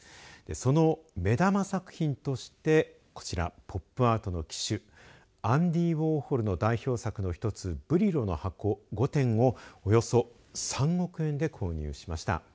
その目玉作品としてこちら、ポップアートの旗手アンディ・ウォーホルの代表作の１つブリロの箱５点をおよそ３億円で購入しました。